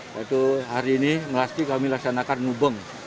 yaitu hari ini melasti kami laksanakan ngubeng